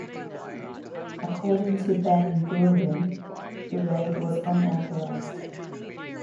According to Ben-Gurion, the raid was unauthorised.